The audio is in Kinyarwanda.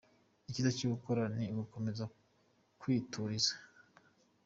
Icyiza cyo gukora ni ugukomeza kwituriza.”